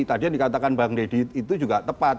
tadi yang dikatakan bang deddy itu juga tepat